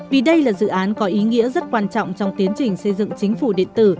vì đây là dự án có ý nghĩa rất quan trọng trong tiến trình xây dựng chính phủ điện tử